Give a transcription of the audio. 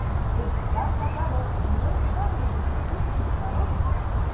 Está casado y es padre de dos hijos varones.